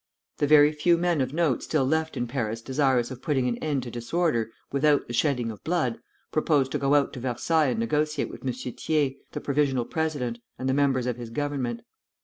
The very few men of note still left in Paris desirous of putting an end to disorder without the shedding of blood, proposed to go out to Versailles and negotiate with M. Thiers, the provisional president, and the members of his Government.